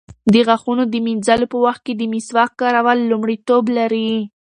د غاښونو د مینځلو په وخت کې د مسواک کارول لومړیتوب لري.